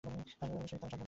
আর অবশ্যই সাবধানে।